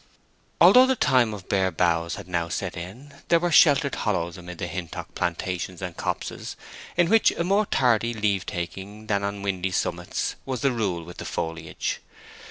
Although the time of bare boughs had now set in, there were sheltered hollows amid the Hintock plantations and copses in which a more tardy leave taking than on windy summits was the rule with the foliage.